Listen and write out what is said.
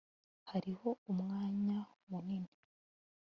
hariho umwanya munini